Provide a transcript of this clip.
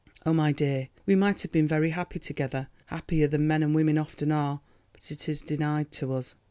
Oh, my dear, we might have been very happy together, happier than men and women often are, but it is denied to us.